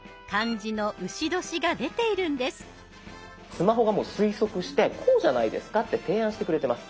スマホがもう推測してこうじゃないですかって提案してくれてます。